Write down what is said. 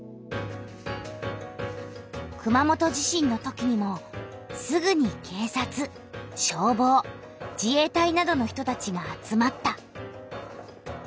熊本地震のときにもすぐに警察消防自衛隊などの人たちが集まった。